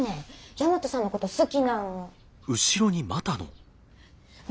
大和さんのこと好きなんは。